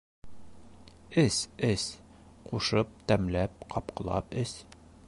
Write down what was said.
- Эс, эс, ҡушып, тәмләп, ҡапҡылап эс...